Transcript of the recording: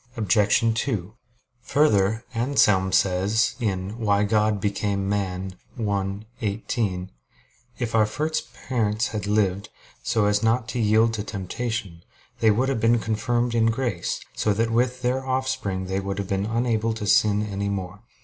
Obj. 2: Further, Anselm says (Cur Deus Homo i, 18): "If our first parents had lived so as not to yield to temptation, they would have been confirmed in grace, so that with their offspring they would have been unable to sin any more."